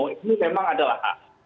ini memang adalah hak